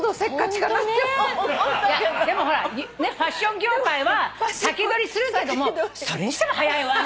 でもファッション業界は先取りするけどもそれにしても早いわね。